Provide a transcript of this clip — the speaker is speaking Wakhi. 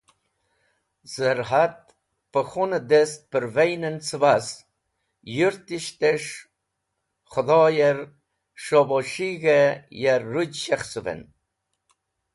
Zar’at pẽ khun dest perveyn en cẽbas, yũrtishtes̃h Khũdhoyer s̃hobos̃hig̃h-e ya rũj shekhsũven.